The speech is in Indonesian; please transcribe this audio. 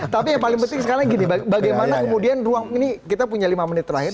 tapi yang paling penting sekarang gini bagaimana kemudian ruang ini kita punya lima menit terakhir